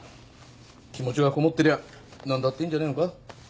気持ちがこもってりゃ何だっていいんじゃねえのか？